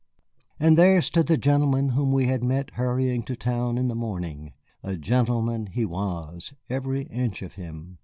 And there stood the gentleman whom we had met hurrying to town in the morning. A gentleman he was, every inch of him.